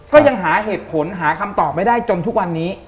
ก็ยังหาเหตุผลหาคำตอบไม่ได้จนทุกวันนี้